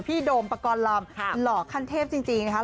พี่โดมประกอบราบหล่อคันเทพจริงนะคะ